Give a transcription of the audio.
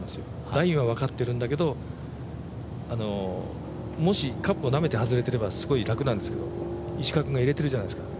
ラインは分かってるんだけどもしカップをなめて外していたらすごい楽なんですけど、石川君が入れてるじゃないですか。